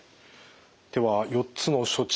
では４つの処置